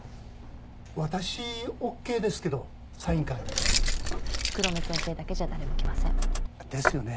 私オーケーですけどサイン会黒目先生だけじゃ誰も来ませんですよね